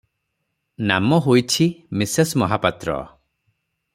ନାମ ହୋଇଛି, ମିସେସ୍ ମହାପାତ୍ର ।